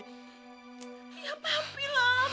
ya papi lah